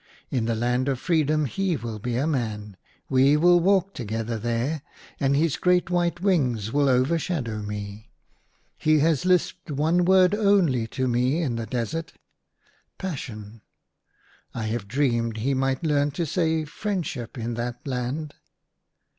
In the Land of Freedom he will 8o THREE DREAMS IN A DESERT. be a man. We will walk together there, and his great white wings will overshadow me. He has lisped one word only to me in the desert —' Passion !' I have dreamed he might learn to say * Friendship ' in that land."